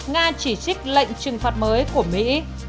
nga chỉ trích lệnh trừng phạt mới của mỹ